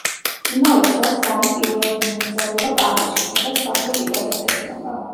იმავე წელს, დალი პირველად მიემგზავრება პარიზში, სადაც პაბლო პიკასოს ეცნობა.